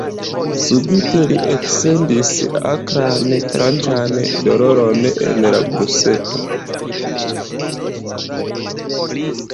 Subite li eksentis akran, tranĉan doloron en la brusto.